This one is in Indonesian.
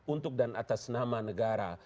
untuk dan atas nama negara